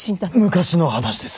昔の話です。